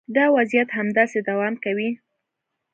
دا وضعیت همداسې دوام کوي.